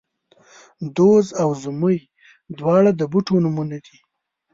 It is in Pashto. دوز او زمۍ، دواړه د بوټو نومونه دي